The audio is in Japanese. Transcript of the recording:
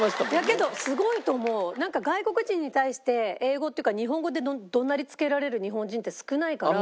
なんか外国人に対して英語っていうか日本語で怒鳴りつけられる日本人って少ないから。